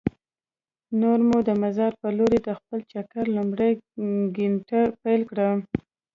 نور مو د مزار په لور د خپل چکر لومړۍ ګېنټه پیل کړه.